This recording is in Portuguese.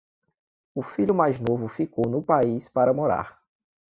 O filho mais novo ficou no país para morar